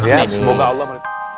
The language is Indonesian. ya semoga allah